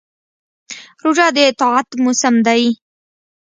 روژه د طاعت موسم دی.